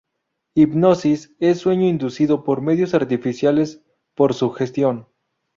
Hipnosis es sueño inducido por medios artificiales: por sugestión.